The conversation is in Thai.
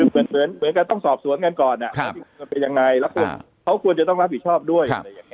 เหมือนกับต้องสอบสวนกันก่อนว่ามันเป็นยังไงแล้วเขาควรจะต้องรับผิดชอบด้วยอะไรอย่างนี้